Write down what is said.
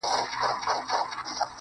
پر دې گناه خو ربه راته ثواب راکه.